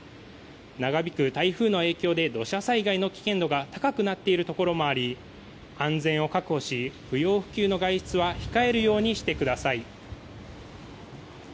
長引く台風の影響で土砂災害の危険度が高くなっているところもあり安全を確保し不要不急の外出は控えるようにしてください。